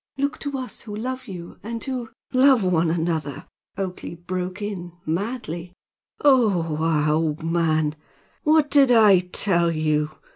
Look to us who love you, and who " "Love one another!" Oakleigh broke in, madly. "Oho! Aha, old man! what did I tell you?